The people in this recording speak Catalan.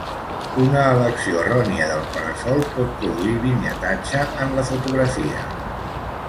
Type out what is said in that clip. Una elecció errònia del para-sol pot produir vinyetatge en la fotografia.